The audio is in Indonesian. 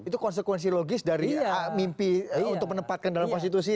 itu konsekuensi logis dari mimpi untuk menempatkan dalam konstitusi